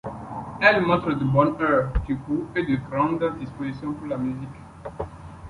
Elle montre de bonne heure du goût et de grandes dispositions pour la musique.